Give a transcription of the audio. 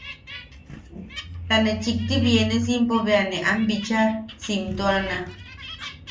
Ta ne chikti bienesimpo bea ne am bichaa siimtuana.